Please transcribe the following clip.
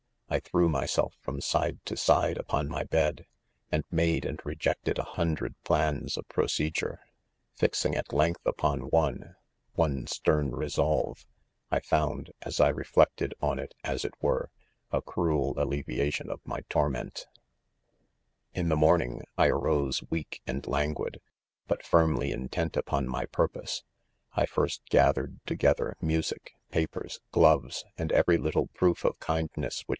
I threw myself from side to side upon my bed, and made and rejected a hundred plans of* proce dure. Fixing at length upon one— one stern resolve, I found, as I reflected on it,"as it were f . a cruel alleviation of my torment* 116 IDQMEN. 1 In the morning I arose weak' and languid^ but firmly intent upon my purpose. 6 1 first gathered together music, papers, gloves, and every little proof of kindness which.